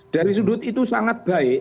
dari sudut itu sangat baik